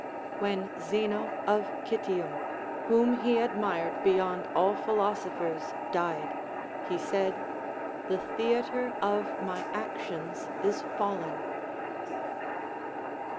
When Zeno of Citium, whom he admired beyond all philosophers, died, he said. The theatre of my actions is fallen.